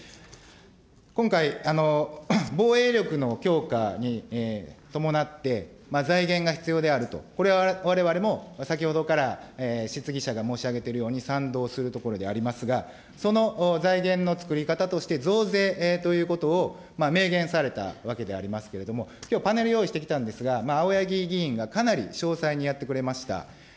今回、防衛力の強化に伴って、財源が必要であると、これはわれわれも、先ほどから質疑者が申し上げているように、賛同するところでありますが、その財源の作り方として、増税ということを明言されたわけでありますけれども、きょう、パネル用意してきたんですが、青柳議員がかなり詳細にやってくれました。